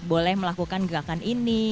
boleh melakukan gerakan ini